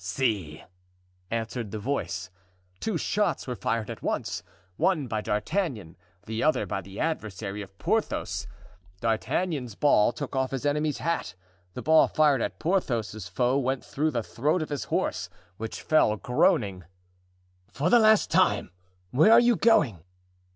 "See!" answered the voice. Two shots were fired at once, one by D'Artagnan, the other by the adversary of Porthos. D'Artagnan's ball took off his enemy's hat. The ball fired by Porthos's foe went through the throat of his horse, which fell, groaning. "For the last time, where are you going?"